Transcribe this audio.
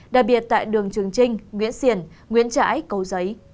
đặc biệt tại đường trường trinh nguyễn xiển nguyễn trãi cầu giấy